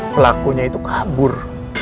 pelakunya itu kabur